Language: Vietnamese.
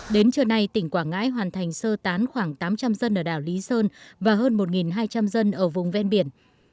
đến trưa nay tỉnh quảng ngãi hoàn thành sơ tán khoảng tám trăm linh dân ở đảo lý sơn và hơn một hai trăm linh dân ở vùng ven biển